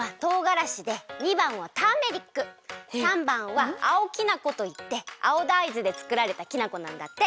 ③ばんは青きな粉といって青だいずでつくられたきな粉なんだって。